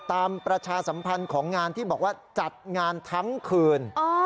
ประชาสัมพันธ์ของงานที่บอกว่าจัดงานทั้งคืน